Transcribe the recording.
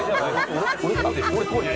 俺？